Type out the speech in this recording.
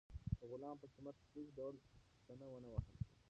د غلام په قیمت کې هیڅ ډول چنه ونه وهل شوه.